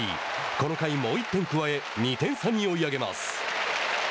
この回、もう一点加え２点差に追い上げます。